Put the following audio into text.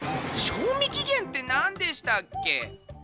賞味期限ってなんでしたっけ？